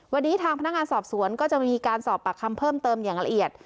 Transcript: วันนี้ทางพนักงานสอบสวนก็จะมีการสอบปากคำเพิ่มเติมอย่างละเอียด